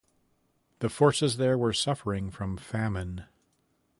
The forces there were suffering from famine.